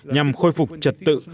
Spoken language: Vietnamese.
nhằm khôi phục trật tự